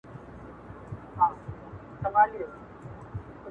تا بندولې سرې خولۍ هغه یې زور واخیست,